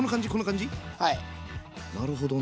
なるほどね。